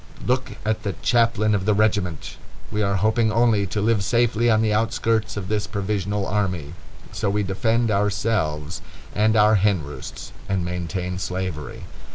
Look at the chaplain of the regiment! We are hoping only to live safely on the outskirts of this provisional army. So we defend ourselves and our hen roosts, and maintain slavery.